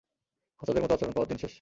বাচ্চাদের মতো আচরণ পাওয়ার দিন শেষ।